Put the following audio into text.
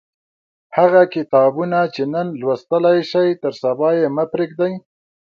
هغه کتابونه چې نن لوستلای شئ تر سبا یې مه پریږدئ.